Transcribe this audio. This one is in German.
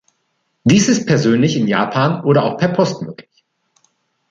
Dies ist persönlich in Japan oder auch per Post möglich.